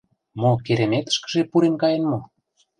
— Мо кереметышкыже пурен каен мо?